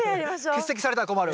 欠席されたら困る。